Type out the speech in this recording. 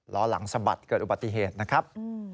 ล้อหลังสะบัดเกิดอุบัติเหตุนะครับ